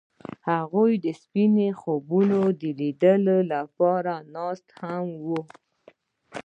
هغوی د سپین خوبونو د لیدلو لپاره ناست هم وو.